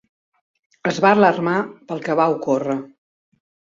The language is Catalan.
Es va alarmar pel que va ocórrer.